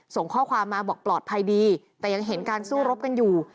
ส่งข้อความมาบอกปลอดภัยดีแต่ยังเห็นการสู้รบกันอยู่